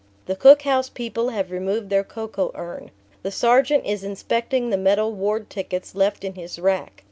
The cookhouse people have removed their cocoa urn. The sergeant is inspecting the metal ward tickets left in his rack.